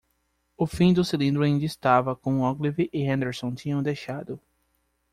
O fim do cilindro ainda estava como Ogilvy e Henderson tinham deixado.